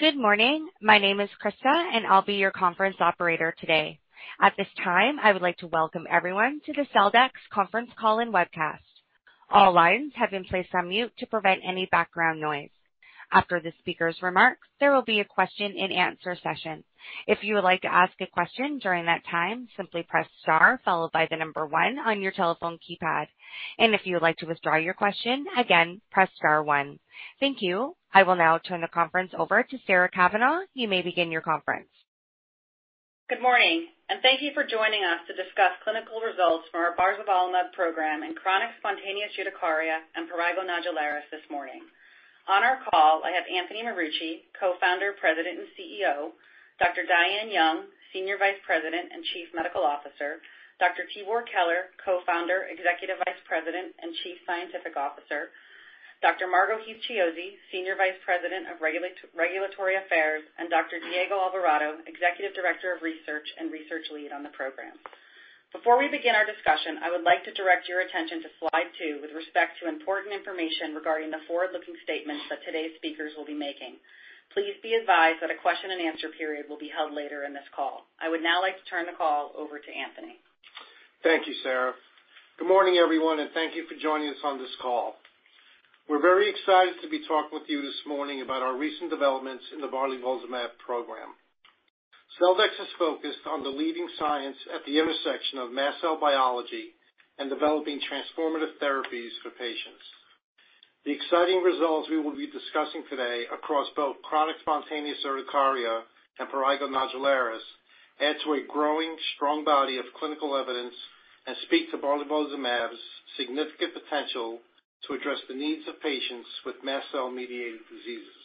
Good morning. My name is Krista, and I'll be your conference operator today. At this time, I would like to welcome everyone to the Celldex Conference Call and Webcast. All lines have been placed on mute to prevent any background noise. After the speaker's remarks, there will be a question-and-answer session. If you would like to ask a question during that time, simply press star followed by the number one on your telephone keypad. And if you would like to withdraw your question again, press star one. Thank you. I will now turn the conference over to Sarah Cavanaugh. You may begin your conference. Good morning, and thank you for joining us to discuss clinical results from our Chronic Spontaneous Urticaria and Prurigo Nodularis this morning. On our call, I have Anthony Marucci, Co-Founder, President, and CEO; Dr. Diane Young, Senior Vice President and Chief Medical Officer; Dr. Tibor Keler, Co-Founder, Executive Vice President, and Chief Scientific Officer; Dr. Margo Heath-Chiozzi, Senior Vice President of Regulatory Affairs; and Dr. Diego Alvarado, Executive Director of Research and Research Lead on the program. Before we begin our discussion, I would like to direct your attention to slide 2 with respect to important information regarding the forward-looking statements that today's speakers will be making. Please be advised that a question-and-answer period will be held later in this call. I would now like to turn the call over to Anthony. Thank you, Sarah. Good morning, everyone, and thank you for joining us on this call. We're very excited to be talking with you this morning about our recent developments in the Barzolvolimab program. Celldex is focused on the leading science at the intersection of mast cell biology and developing transformative therapies for patients. The exciting results we will be discussing today across both Chronic Spontaneous Urticaria and Prurigo Nodularis add to a growing, strong body of clinical evidence and speak to Barzolvolimab's significant potential to address the needs of patients with mast cell-mediated diseases.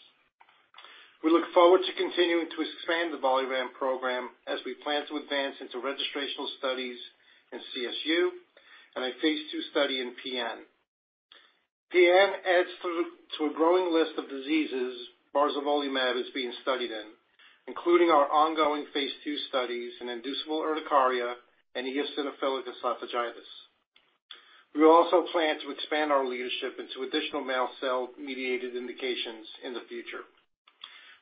We look forward to continuing to expand the Barzo program as we plan to advance into registrational studies in CSU and a Phase II study in PN. PN adds to a growing list of diseases Barzolvolimab is being studied in, including our ongoing Phase II studies in inducible urticaria and eosinophilic esophagitis. We also plan to expand our leadership into additional mast cell-mediated indications in the future.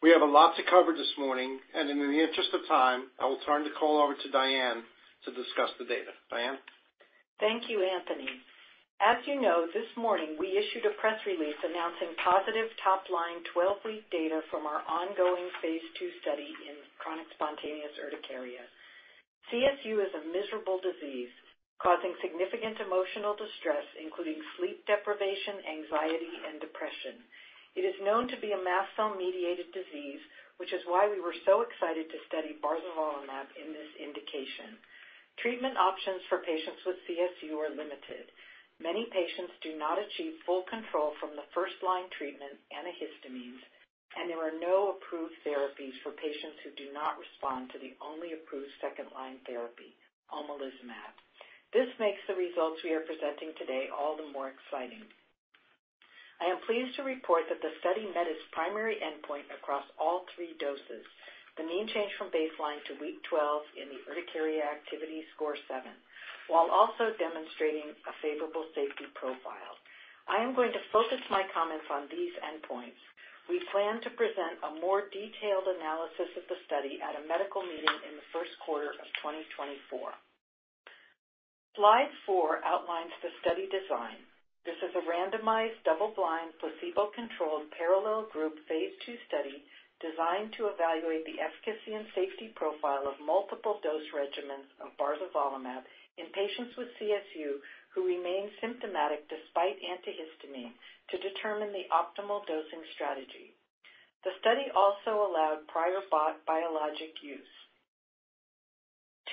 We have a lot to cover this morning, and in the interest of time, I will turn the call over to Diane to discuss the data. Diane? Thank you, Anthony. As you know, this morning, we issued a press release announcing positive top-line 12-week data from our ongoing Phase II study in Chronic Spontaneous Urticaria. CSU is a miserable disease, causing significant emotional distress, including sleep deprivation, anxiety, and depression. It is known to be a mast cell-mediated disease, which is why we were so excited to study Barzolvolimab in this indication. Treatment options for patients with CSU are limited. Many patients do not achieve full control from the first-line treatment, antihistamines, and there are no approved therapies for patients who do not respond to the only approved second-line therapy, omalizumab. This makes the results we are presenting today all the more exciting. I am pleased to report that the study met its primary endpoint across all 3 doses, the mean change from baseline to week 12 in the urticaria activity score 7, while also demonstrating a favorable safety profile. I am going to focus my comments on these endpoints. We plan to present a more detailed analysis of the study at a medical meeting in the first quarter of 2024. Slide 4 outlines the study design. This is a randomized, double-blind, placebo-controlled, parallel group, Phase II study designed to evaluate the efficacy and safety profile of multiple dose regimens of Barzolvolimab in patients with CSU who remain symptomatic despite antihistamine to determine the optimal dosing strategy. The study also allowed prior biologic use.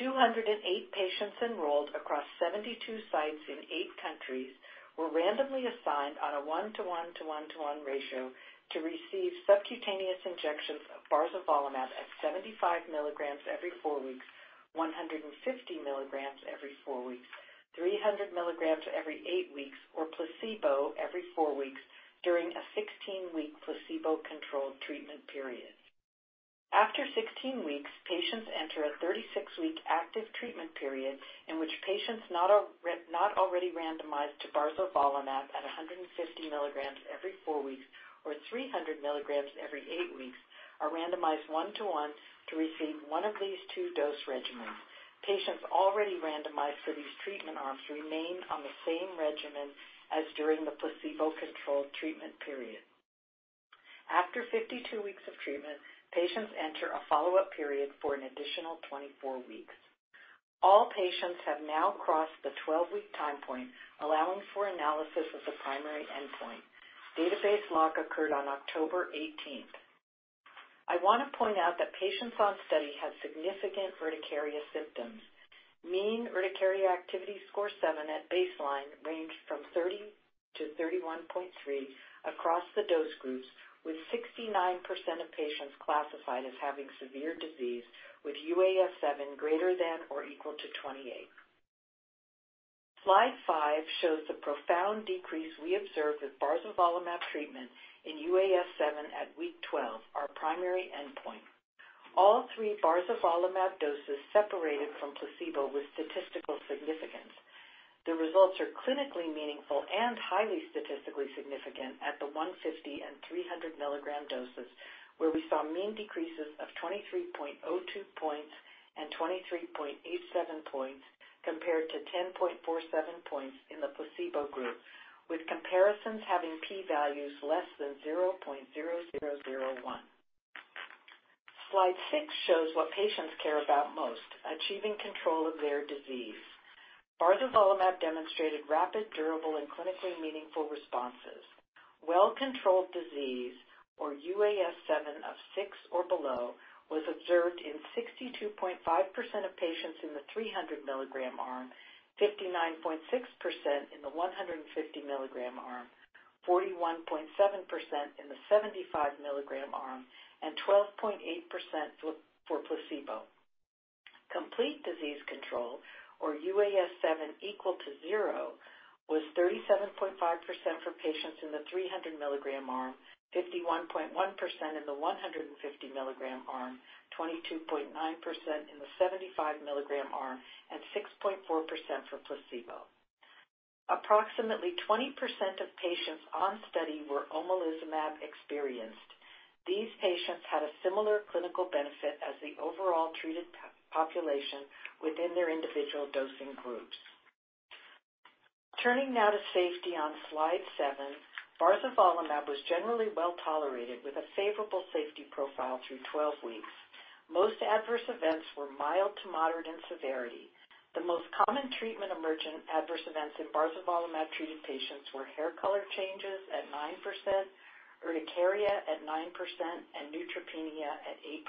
208 patients enrolled across 72 sites in 8 countries were randomly assigned on a 1-to-1 to 1-to-1 ratio to receive subcutaneous injections of Barzolvolimab at 75 milligrams every 4 weeks, 150 milligrams every 4 weeks, 300 milligrams every 8 weeks, or placebo every 4 weeks during a 16-week placebo-controlled treatment period. After 16 weeks, patients enter a 36-week active treatment period in which patients not already randomized to Barzolvolimab at 150 milligrams every 4 weeks or 300 milligrams every 8 weeks are randomized 1 to 1 to receive one of these two dose regimens. Patients already randomized for these treatment arms remained on the same regimen as during the placebo-controlled treatment period. After 52 weeks of treatment, patients enter a follow-up period for an additional 24 weeks. All patients have now crossed the 12-week time point, allowing for analysis of the primary endpoint. Database lock occurred on October 18. I want to point out that patients on study had significant Urticaria Symptoms. Mean Urticaria activity score 7 at baseline ranged from 30 to 31.3 across the dose groups, with 69% of patients classified as having severe disease, with UAS7 greater than or equal to 28. Slide 5 shows the profound decrease we observed with Barzolvolimab treatment in UAS7 at week 12, our primary endpoint. All 3 Barzolvolimab doses separated from placebo with statistical significance.... The results are clinically meaningful and highly statistically significant at the 150 and 300 milligram doses, where we saw mean decreases of 23.02 points and 23.87 points, compared to 10.47 points in the placebo group, with comparisons having P values less than 0.0001. Slide 6 shows what patients care about most, achieving control of their disease. Barzolvolimab demonstrated rapid, durable, and clinically meaningful responses. Well-controlled disease, or UAS7 of 6 or below, was observed in 62.5% of patients in the 300 milligram arm, 59.6% in the 150 milligram arm, 41.7% in the 75 milligram arm, and 12.8% for placebo. Complete disease control, or UAS7 equal to zero, was 37.5% for patients in the 300-mg arm, 51.1% in the 150-mg arm, 22.9% in the 75-mg arm, and 6.4% for placebo. Approximately 20% of patients on study were omalizumab experienced. These patients had a similar clinical benefit as the overall treated population within their individual dosing groups. Turning now to safety on Slide 7, Barzolvolimab was generally well-tolerated, with a favorable safety profile through 12 weeks. Most adverse events were mild to moderate in severity. The most common treatment-emergent adverse events in Barzolvolimab-treated patients were hair color changes at 9%, urticaria at 9%, and neutropenia at 8%.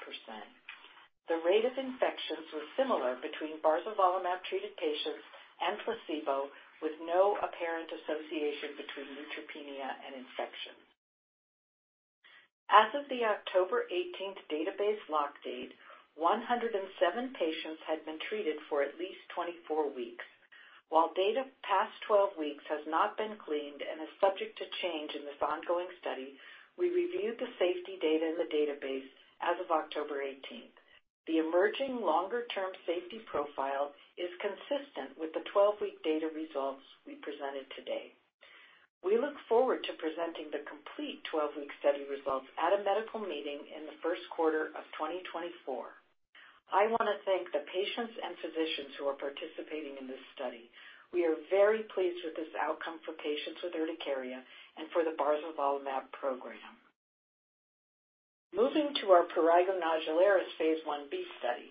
The rate of infections was similar between Barzolvolimab-treated patients and placebo, with no apparent association between neutropenia and infection. As of the October 18th database lock date, 107 patients had been treated for at least 24 weeks. While data past 12 weeks has not been cleaned and is subject to change in this ongoing study, we reviewed the safety data in the database as of October 18th. The emerging longer-term safety profile is consistent with the 12-week data results we presented today. We look forward to presenting the complete 12-week study results at a medical meeting in the first quarter of 2024. I want to thank the patients and physicians who are participating in this study. We are very pleased with this outcome for patients with urticaria and for the Barzolvolimab program. Moving to our Prurigo Nodularis Phase 1b study.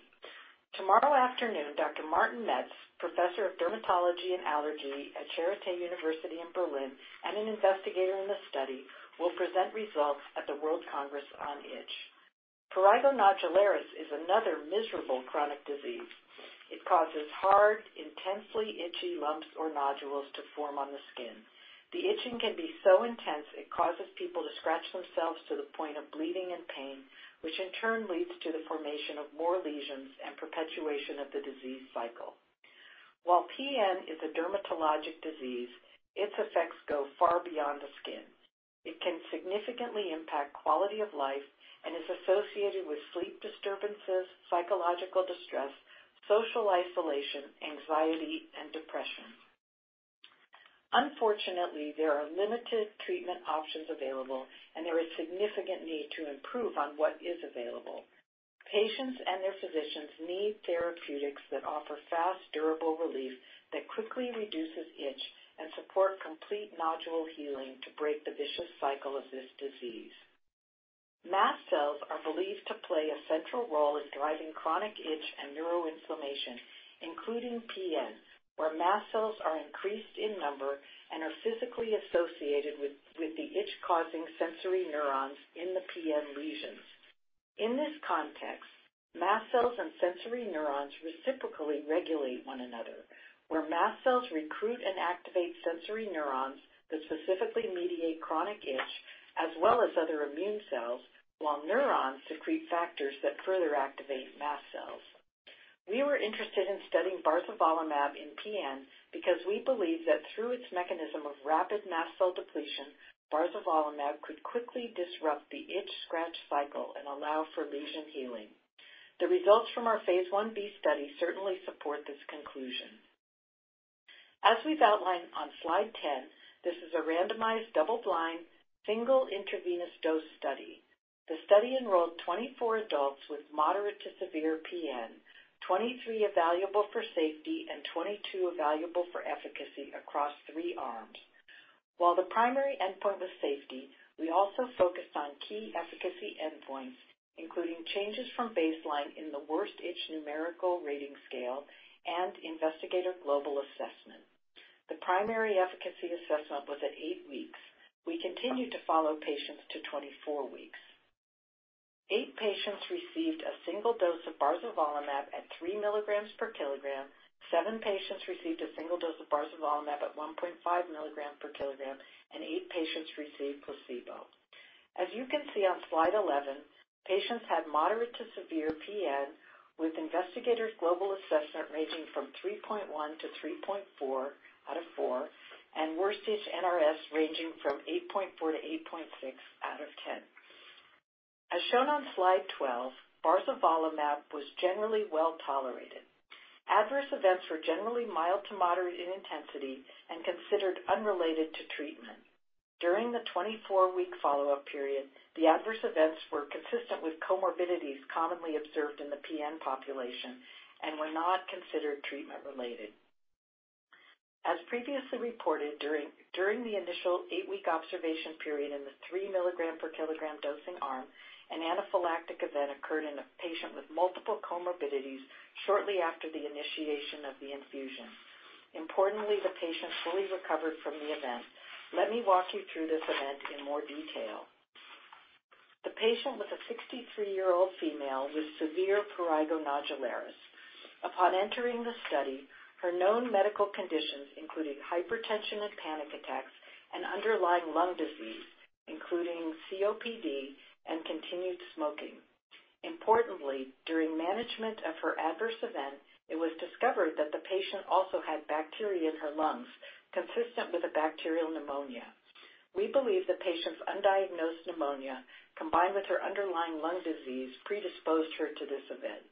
Tomorrow afternoon, Dr. Martin Metz, Professor of Dermatology and Allergy at Charité – Universitätsmedizin Berlin and an investigator in the study, will present results at the World Congress on Itch. Prurigo Nodularis is another miserable chronic disease. It causes hard, intensely itchy lumps or nodules to form on the skin. The itching can be so intense it causes people to scratch themselves to the point of bleeding and pain, which in turn leads to the formation of more lesions and perpetuation of the disease cycle. While PN is a dermatologic disease, its effects go far beyond the skin. It can significantly impact quality of life and is associated with sleep disturbances, psychological distress, social isolation, anxiety, and depression. Unfortunately, there are limited treatment options available, and there is significant need to improve on what is available. Patients and their physicians need therapeutics that offer fast, durable relief that quickly reduces itch and support complete nodule healing to break the vicious cycle of this disease. Mast cells are believed to play a central role in driving chronic itch and neuroinflammation, including PN, where mast cells are increased in number and are physically associated with the itch-causing sensory neurons in the PN lesions. In this context, mast cells and sensory neurons reciprocally regulate one another, where mast cells recruit and activate sensory neurons that specifically mediate chronic itch, as well as other immune cells, while neurons secrete factors that further activate mast cells. We were interested in studying Barzolvolimab in PN because we believe that through its mechanism of rapid mast cell depletion, Barzolvolimab could quickly disrupt the itch-scratch cycle and allow for lesion healing. The results from our phase 1b study certainly support this conclusion. As we've outlined on Slide 10, this is a randomized, double-blind, single intravenous dose study. The study enrolled 24 adults with moderate to severe PN, 23 evaluable for safety, and 22 evaluable for efficacy across 3 arms. While the primary endpoint was safety, we also focused on key efficacy endpoints, including changes from baseline in the worst itch numerical rating scale and Investigator Global Assessment. The primary efficacy assessment was at 8 weeks. We continued to follow patients to 24 weeks. 8 patients received a single dose of Barzolvolimab at 3 milligrams per kilogram, 7 patients received a single dose of Barzolvolimab at 1.5 milligrams per kilogram, and 8 patients received placebo. As you can see on Slide 11, patients had moderate to severe PN, with Investigator Global Assessment ranging from 3.1-3.4 out of 4, and worst itch NRS ranging from 8.4-8.6 out of 10. As shown on Slide 12, Barzolvolimab was generally well-tolerated. Adverse events were generally mild to moderate in intensity and considered unrelated to treatment. During the 24-week follow-up period, the adverse events were consistent with comorbidities commonly observed in the PN population and were not considered treatment related. As previously reported, during the initial 8-week observation period in the 3 mg/kg dosing arm, an anaphylactic event occurred in a patient with multiple comorbidities shortly after the initiation of the infusion. Importantly, the patient fully recovered from the event. Let me walk you through this event in more detail. The patient was a 63-year-old female with severe Prurigo Nodularis. Upon entering the study, her known medical conditions included hypertension and panic attacks, and underlying lung disease, including COPD and continued smoking. Importantly, during management of her adverse event, it was discovered that the patient also had bacteria in her lungs, consistent with a bacterial pneumonia. We believe the patient's undiagnosed pneumonia, combined with her underlying lung disease, predisposed her to this event.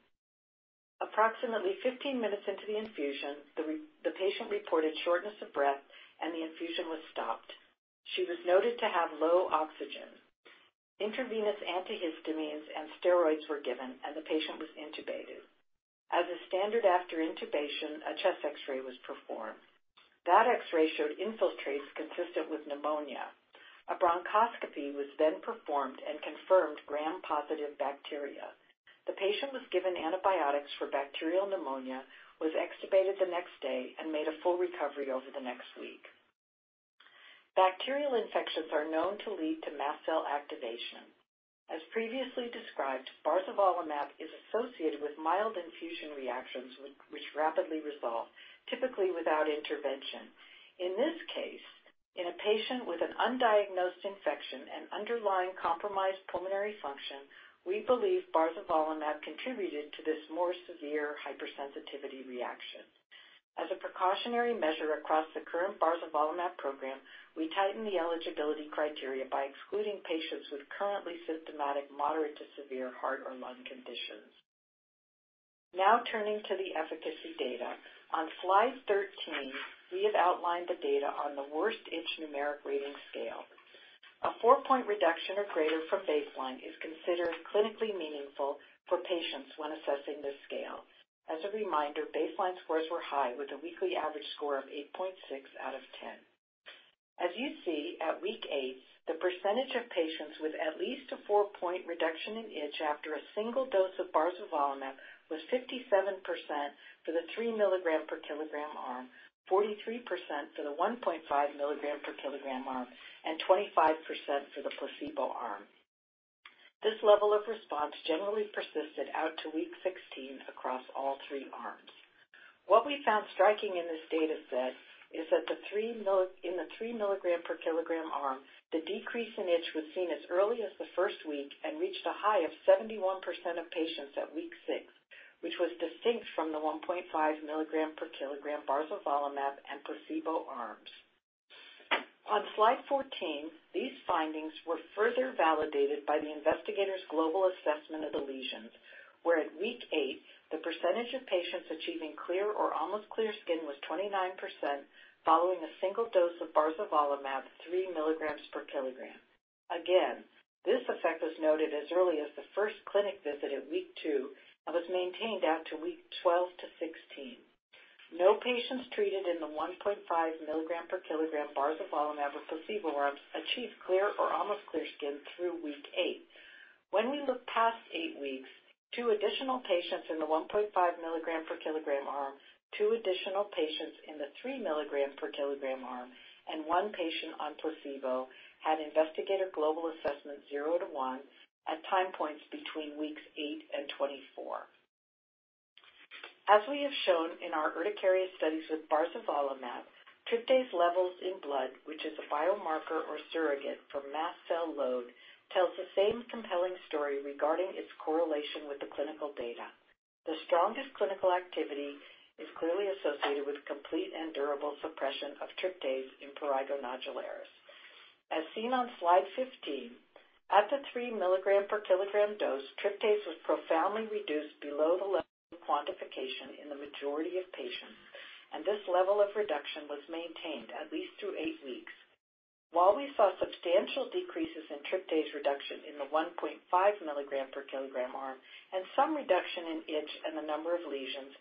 Approximately 15 minutes into the infusion, the patient reported shortness of breath and the infusion was stopped. She was noted to have low oxygen. Intravenous antihistamines and steroids were given, and the patient was intubated. As a standard after intubation, a chest X-ray was performed. That X-ray showed infiltrates consistent with pneumonia. A Bronchoscopy was then performed and confirmed Gram-positive bacteria. The patient was given antibiotics for bacterial pneumonia, was extubated the next day and made a full recovery over the next week. Bacterial infections are known to lead to mast cell activation. As previously described, Barzolvolimab is associated with mild infusion reactions, which rapidly resolve, typically without intervention. In this case, in a patient with an undiagnosed infection and underlying compromised pulmonary function, we believe Barzolvolimab contributed to this more severe hypersensitivity reaction. As a precautionary measure across the current Barzolvolimab program, we tightened the eligibility criteria by excluding patients with currently symptomatic, moderate to severe heart or lung conditions. Now turning to the efficacy data. On Slide 13, we have outlined the data on the worst itch numerical rating scale. A four-point reduction or greater from baseline is considered clinically meaningful for patients when assessing this scale. As a reminder, baseline scores were high, with a weekly average score of 8.6 out of 10. As you see, at week 8, the percentage of patients with at least a 4-point reduction in itch after a single dose of Barzolvolimab was 57% for the 3 mg/kg arm, 43% for the 1.5 mg/kg arm, and 25% for the placebo arm. This level of response generally persisted out to week 16 across all three arms. What we found striking in this data set is that in the 3 mg/kg arm, the decrease in itch was seen as early as the first week and reached a high of 71% of patients at week 6, which was distinct from the 1.5 mg/kg Barzolvolimab and placebo arms. On Slide 14, these findings were further validated by the investigators' global assessment of the lesions, where at week 8, the percentage of patients achieving clear or almost clear skin was 29% following a single dose of Barzolvolimab, 3 milligrams per kilogram. Again, this effect was noted as early as the first clinic visit at week 2 and was maintained out to week 12-16. No patients treated in the 1.5 milligram per kilogram Barzolvolimab or placebo arms achieved clear or almost clear skin through week 8. When we look past 8 weeks, 2 additional patients in the 1.5 milligram per kilogram arm, 2 additional patients in the 3 milligram per kilogram arm and 1 patient on placebo had Investigator Global Assessment 0-1 at time points between weeks 8 and 24. As we have shown in our urticaria studies with Barzolvolimab, tryptase levels in blood, which is a biomarker or surrogate for mast cell load, tells the same compelling story regarding its correlation with the clinical data. The strongest clinical activity is clearly associated with complete and durable suppression of tryptase in Prurigo Nodularis. As seen on Slide 15, at the 3 milligram per kilogram dose, tryptase was profoundly reduced below the level of quantification in the majority of patients, and this level of reduction was maintained at least through 8 weeks. While we saw substantial decreases in tryptase reduction in the 1.5 milligram per kilogram arm and some reduction in itch and the number of lesions,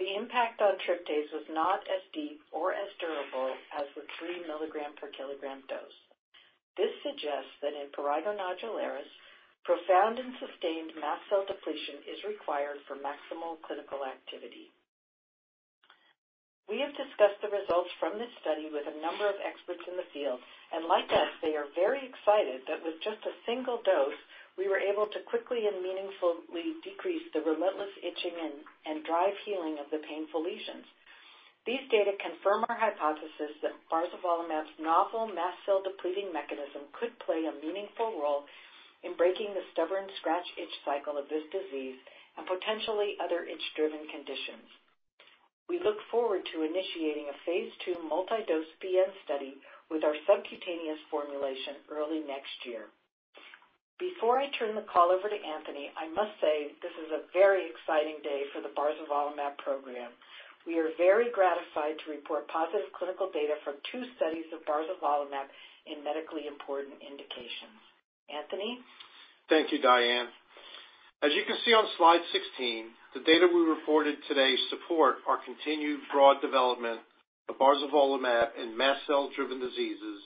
the impact on tryptase was not as deep or as durable as the 3 milligram per kilogram dose. This suggests that in Prurigo Nodularis, profound and sustained mast cell depletion is required for maximal clinical activity. We have discussed the results from this study with a number of experts in the field, and like us, they are very excited that with just a single dose, we were able to quickly and meaningfully decrease the relentless itching and drive healing of the painful lesions. These data confirm our hypothesis that Barzolvolimab's novel mast cell depleting mechanism could play a meaningful role in breaking the stubborn scratch-itch cycle of this disease and potentially other itch-driven conditions... We look forward to initiating a phase II multi-dose PN study with our subcutaneous formulation early next year. Before I turn the call over to Anthony, I must say this is a very exciting day for the Barzolvolimab program. We are very gratified to report positive clinical data from two studies of Barzolvolimab in medically important indications. Anthony? Thank you, Diane. As you can see on slide 16, the data we reported today support our continued broad development of Barzolvolimab in mast cell-driven diseases,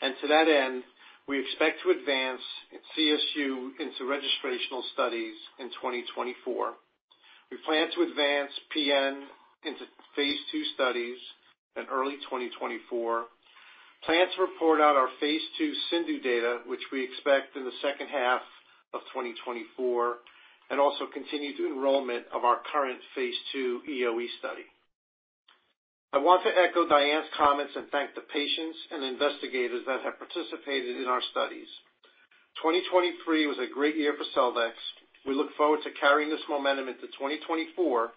and to that end, we expect to advance in CSU into registrational studies in 2024. We plan to advance PN into Phase II studies in early 2024, plan to report out our Phase II CIndU data, which we expect in the second half of 2024, and also continue the enrollment of our current Phase II EoE study. I want to echo Diane's comments and thank the patients and investigators that have participated in our studies. 2023 was a great year for Celldex. We look forward to carrying this momentum into 2024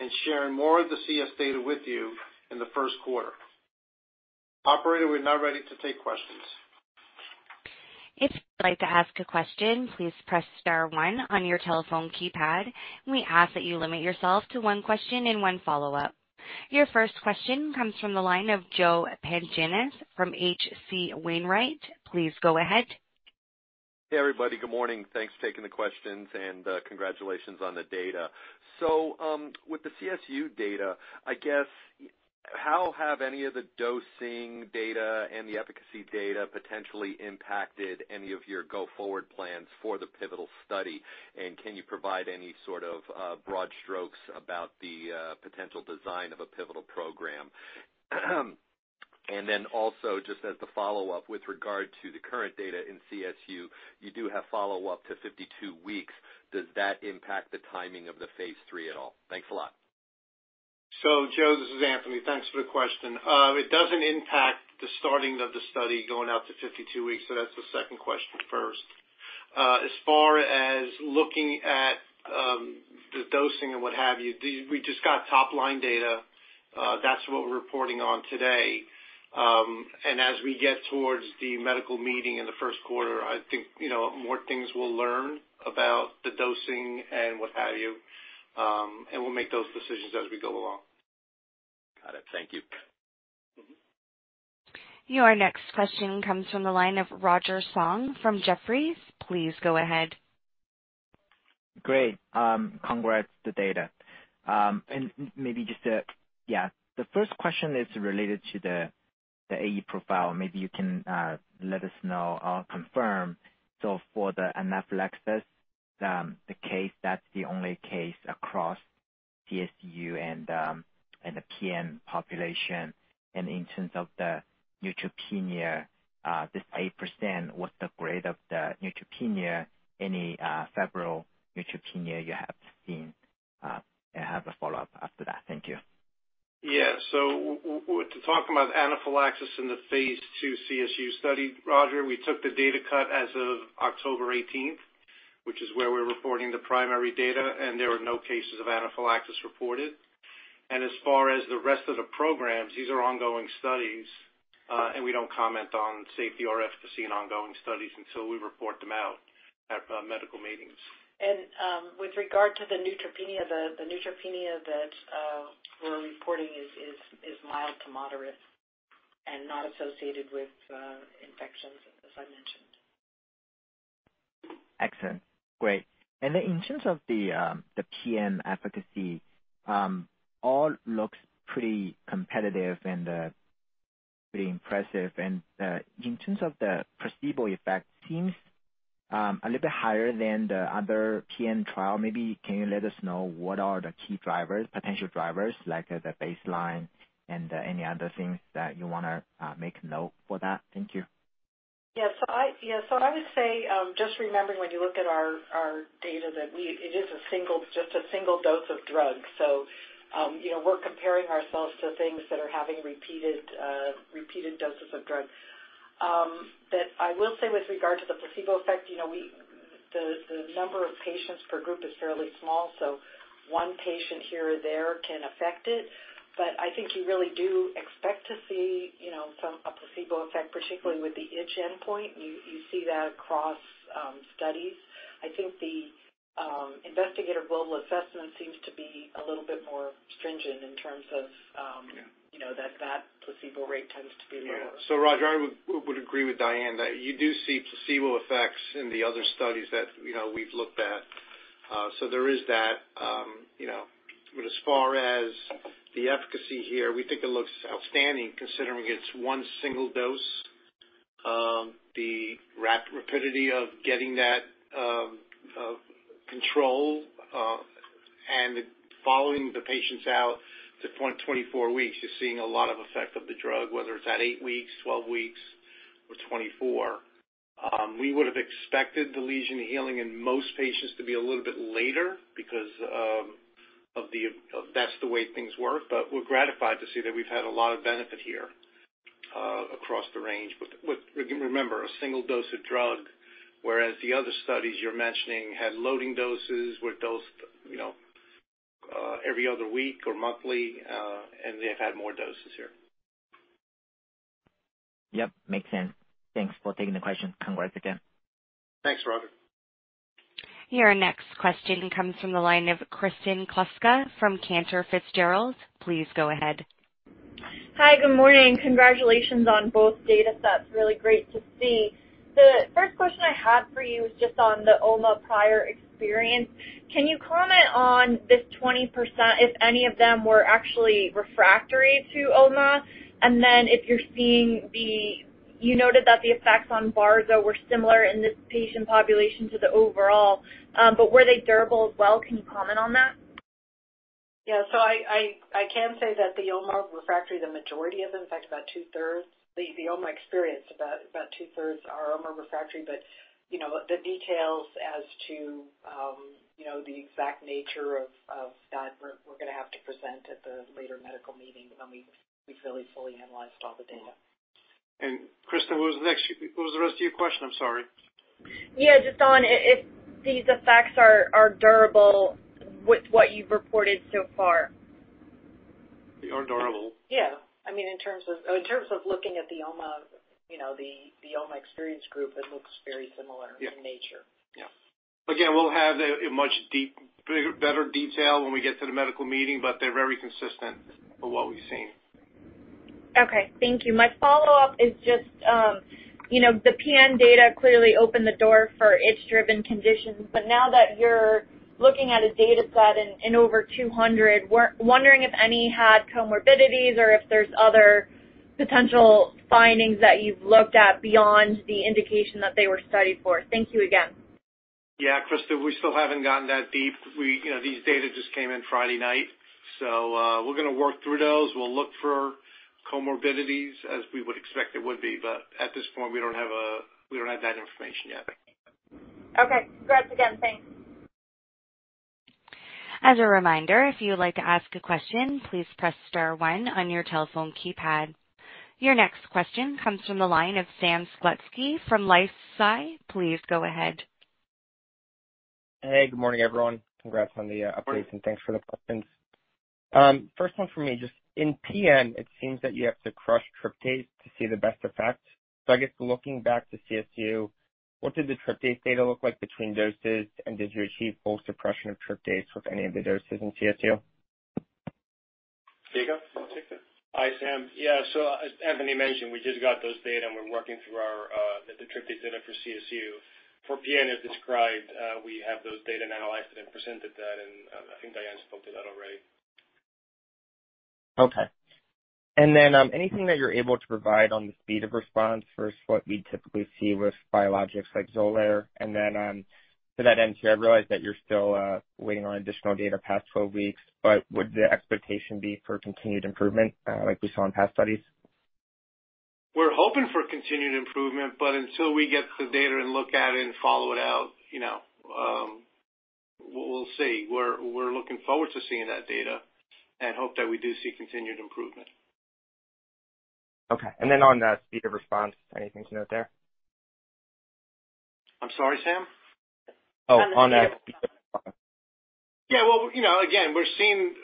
and sharing more of the CSU data with you in the first quarter. Operator, we're now ready to take questions. If you'd like to ask a question, please press star one on your telephone keypad. We ask that you limit yourself to one question and one follow-up. Your first question comes from the line of Joe Pantginis from HC Wainwright. Please go ahead. Hey, everybody. Good morning. Thanks for taking the questions, and congratulations on the data. So, with the CSU data, I guess, how have any of the dosing data and the efficacy data potentially impacted any of your go-forward plans for the pivotal study? And can you provide any sort of broad strokes about the potential design of a pivotal program? And then also, just as the follow-up, with regard to the current data in CSU, you do have follow-up to 52 weeks. Does that impact the timing of the phase III at all? Thanks a lot. So, Joe, this is Anthony. Thanks for the question. It doesn't impact the starting of the study going out to 52 weeks, so that's the second question first. As far as looking at the dosing and what have you, we just got top-line data. That's what we're reporting on today. And as we get towards the medical meeting in the first quarter, I think, you know, more things we'll learn about the dosing and what have you, and we'll make those decisions as we go along. Got it. Thank you. Mm-hmm. Your next question comes from the line of Roger Song from Jefferies. Please go ahead. Great. Congrats, the data. And maybe just... Yeah, the first question is related to the, the AE profile. Maybe you can let us know or confirm. So for the anaphylaxis, the case, that's the only case across CSU and, and the PN population. And in terms of the neutropenia, this 8%, what's the grade of the neutropenia? Any febrile neutropenia you have seen? I have a follow-up after that. Thank you. Yeah. So to talk about anaphylaxis in the Phase II CSU study, Roger, we took the data cut as of October eighteenth, which is where we're reporting the primary data, and there were no cases of anaphylaxis reported. And as far as the rest of the programs, these are ongoing studies, and we don't comment on safety or efficacy in ongoing studies until we report them out at medical meetings. With regard to the neutropenia that we're reporting is mild to moderate and not associated with infections, as I mentioned. Excellent. Great. Then in terms of the PN efficacy, all looks pretty competitive and pretty impressive. And in terms of the placebo effect, seems a little bit higher than the other PN trial. Maybe can you let us know what are the key drivers, potential drivers, like the baseline and any other things that you wanna make note for that? Thank you. Yes. So I would say, just remembering when you look at our data, that we... It is a single, just a single dose of drug. So, you know, we're comparing ourselves to things that are having repeated, repeated doses of drug. But I will say with regard to the placebo effect, you know, we, the number of patients per group is fairly small, so one patient here or there can affect it. But I think you really do expect to see, you know, a placebo effect, particularly with the itch endpoint. You see that across, studies. I think the Investigator Global Assessment seems to be a little bit more stringent in terms of, Yeah... You know, that placebo rate tends to be lower. So Roger, I would agree with Diane, that you do see placebo effects in the other studies that, you know, we've looked at. So there is that, you know, but as far as the efficacy here, we think it looks outstanding considering it's one single dose. The rapidity of getting that control, and following the patients out to 24 weeks, you're seeing a lot of effect of the drug, whether it's at 8 weeks, 12 weeks, or 24. We would have expected the lesion healing in most patients to be a little bit later because of that's the way things work, but we're gratified to see that we've had a lot of benefit here across the range. But with, remember, a single dose of drug, whereas the other studies you're mentioning had loading doses, were dosed, you know, every other week or monthly, and they've had more doses here. Yep. Makes sense. Thanks for taking the question. Congrats again. Thanks, Rogerr. Your next question comes from the line of Kristen Kluska from Cantor Fitzgerald. Please go ahead. Hi, good morning. Congratulations on both datasets. Really great to see. The first question I had for you is just on the OMA prior experience. Can you comment on this 20%, if any of them were actually refractory to OMA? And then you noted that the effects on Barzo were similar in this patient population to the overall, but were they durable as well? Can you comment on that? Yeah, so I can say that the OMA refractory, the majority of them, in fact, about two-thirds. The OMA experienced, about two-thirds are OMA refractory, but, you know, the details as to, you know, the exact nature of that, we're gonna have to present at the later medical meeting when we've really fully analyzed all the data. Kristin, what was the next? What was the rest of your question? I'm sorry. Yeah, just on if these effects are durable with what you've reported so far? They are durable. Yeah. I mean, in terms of, in terms of looking at the OMA, you know, the, the OMA experience group, it looks very similar- Yeah -in nature. Yeah. Again, we'll have a much deeper, bigger, better detail when we get to the medical meeting, but they're very consistent with what we've seen. Okay. Thank you. My follow-up is just, you know, the PN data clearly opened the door for itch-driven conditions, but now that you're looking at a dataset in over 200, we're wondering if any had comorbidities or if there's other potential findings that you've looked at beyond the indication that they were studied for. Thank you again. Yeah, Kristin, we still haven't gotten that deep. We, you know, these data just came in Friday night, so we're gonna work through those. We'll look for comorbidities as we would expect there would be, but at this point, we don't have that information yet. Okay. Congrats again. Thanks. As a reminder, if you would like to ask a question, please press star one on your telephone keypad. Your next question comes from the line of Sam Slutsky from LifeSci. Please go ahead. Hey, good morning, everyone. Congrats on the- Morning -updates, and thanks for the questions. First one for me, just in PN, it seems that you have to crush tryptase to see the best effect. So I guess looking back to CSU, what did the tryptase data look like between doses, and did you achieve full suppression of tryptase with any of the doses in CSU? Diego, take this. Hi, Sam. Yeah, so as Anthony mentioned, we just got those data, and we're working through our, the tryptase data for CSU. For PN, as described, we have those data analyzed and presented that, and, I think Diane spoke to that already. Okay. And then, anything that you're able to provide on the speed of response versus what we'd typically see with biologics like Xolair? And then, to that end, too, I realize that you're still waiting on additional data past 12 weeks, but would the expectation be for continued improvement, like we saw in past studies? We're hoping for continued improvement, but until we get the data and look at it and follow it out, you know, we'll see. We're looking forward to seeing that data and hope that we do see continued improvement. Okay. And then on the speed of response, anything to note there? I'm sorry, Sam? Oh, on that. Yeah, well, you know, again, we're seeing,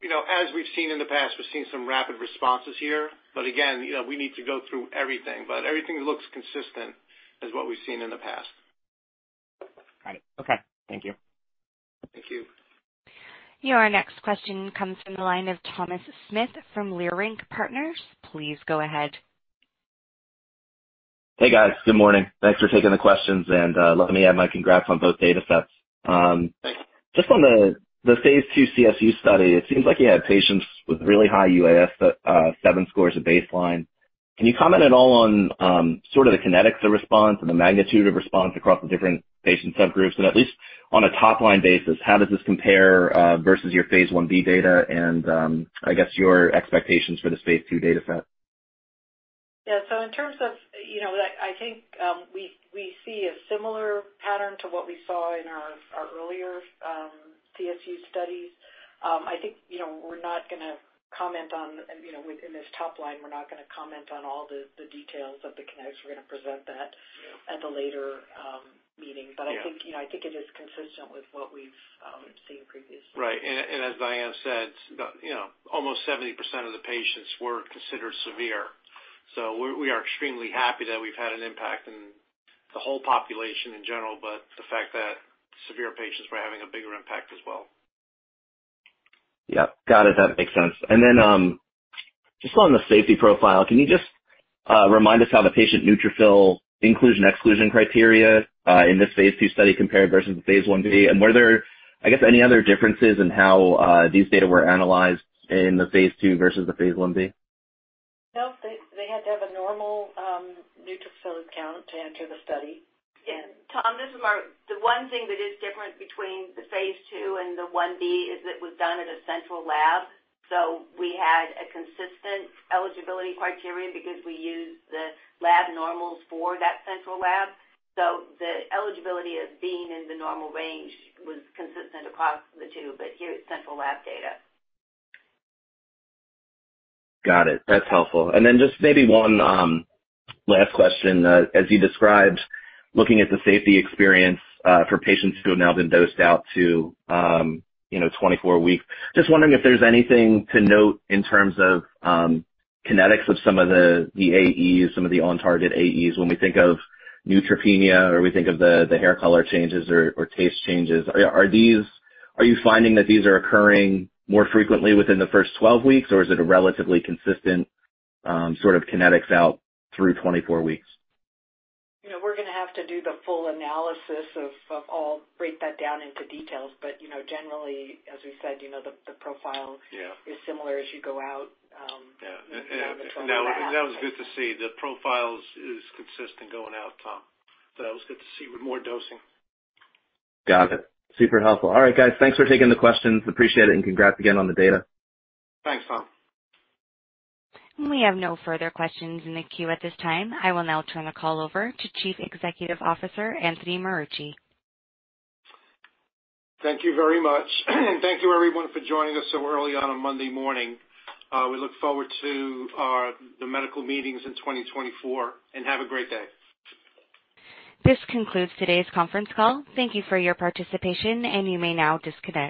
you know, as we've seen in the past, we've seen some rapid responses here. But again, you know, we need to go through everything, but everything looks consistent as what we've seen in the past. Got it. Okay. Thank you. Thank you. Your next question comes from the line of Thomas Smith from Leerink Partners. Please go ahead. Hey, guys. Good morning. Thanks for taking the questions, and let me add my congrats on both datasets. Just on the Phase II CSU study, it seems like you had patients with really high UAS7 scores at baseline. Can you comment at all on sort of the kinetics of response and the magnitude of response across the different patient subgroups? And at least on a top-line basis, how does this compare versus your phase 1b data and I guess your expectations for this Phase II dataset? Yeah, so in terms of... You know, I think we see a similar pattern to what we saw in our earlier CSU studies. I think, you know, we're not gonna comment on, you know, within this top line, we're not gonna comment on all the details of the kinetics. We're gonna present that- Yeah -at a later meeting. Yeah. But I think, you know, I think it is consistent with what we've seen previously. Right. And as Diane said, you know, almost 70% of the patients were considered severe. So we are extremely happy that we've had an impact in the whole population in general, but the fact that severe patients were having a bigger impact as well. Yep, got it. That makes sense. Just on the safety profile, can you just remind us how the patient neutrophil inclusion, exclusion criteria in this Phase II study compared versus the phase 1B? And were there, I guess, any other differences in how these data were analyzed in the Phase II versus the phase 1B? No, they, they had to have a normal neutrophil count to enter the study. Yeah. Tom, this is Margo. The one thing that is different between the phase two and the one B is it was done at a central lab. So we had a consistent eligibility criteria because we used the lab normals for that central lab. So the eligibility of being in the normal range was consistent across the two, but here it's central lab data. Got it. That's helpful. And then just maybe one last question. As you described, looking at the safety experience for patients who have now been dosed out to, you know, 24 weeks, just wondering if there's anything to note in terms of kinetics of some of the AEs, some of the on-target AEs, when we think of neutropenia, or we think of the hair color changes or taste changes. Are these? Are you finding that these are occurring more frequently within the first 12 weeks, or is it a relatively consistent sort of kinetics out through 24 weeks? You know, we're gonna have to do the full analysis of all... Break that down into details, but, you know, generally, as we said, you know, the profile- Yeah is similar as you go out- Yeah. You know, the 12 weeks. That was good to see. The profiles is consistent going out, Tom. So that was good to see with more dosing. Got it. Super helpful. All right, guys, thanks for taking the questions. Appreciate it, and congrats again on the data. Thanks, Tom. We have no further questions in the queue at this time. I will now turn the call over to Chief Executive Officer, Anthony Marucci. Thank you very much, and thank you, everyone, for joining us so early on a Monday morning. We look forward to the medical meetings in 2024, and have a great day. This concludes today's conference call. Thank you for your participation, and you may now disconnect.